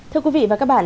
thưa quý vị và các bạn